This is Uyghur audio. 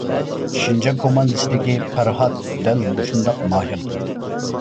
شىنجاڭ كوماندىسىدىكى پەرھات دەل مۇشۇنداق ماھىردۇر.